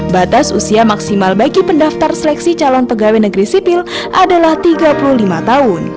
batas usia maksimal bagi pendaftar seleksi calon pegawai negeri sipil adalah tiga puluh lima tahun